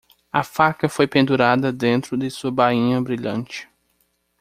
A faca foi pendurada dentro de sua bainha brilhante.